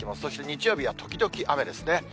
そして日曜日は時々雨ですね。